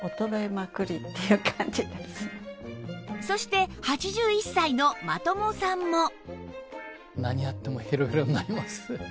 そして８１歳の真友さんも